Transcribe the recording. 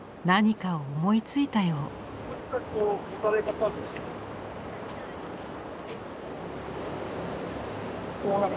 何かを思いついたよう。